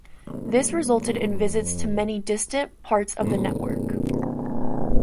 This resulted in visits to many distant parts of the network.